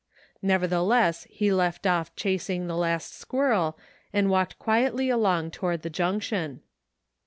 Nevertheless he left off chasing the last squirrel and walked quietly along toward the junction.